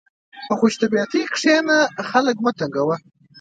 په خوشطبعي کښېنه، خلق مه تنګوه.